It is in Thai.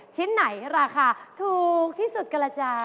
ชิ้นไหนราคาถูกที่สุดกันล่ะจ๊ะ